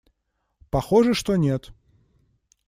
Похоже, что нет.